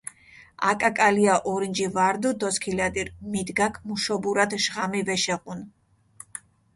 აკაკაკალია ორინჯი ვა რდჷ დოსქილადირ, მიდგაქ მუშობურათ ჟღამი ვეშეღუნ.